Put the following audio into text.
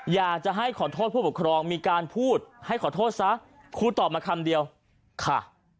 อยากจะให้ขอโทษผู้ปกครองมีการพูดให้ขอโทษซะครูตอบมาคำเดียวค่ะ